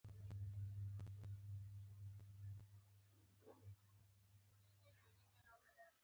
ورکوټي هلک او نجلۍ يو بل پسې منډې وهلې.